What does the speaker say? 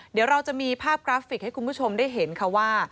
เดี๋ยวเราจะมีภาพกราฟิกให้คุณผู้ชมได้เห็นค่ะว่า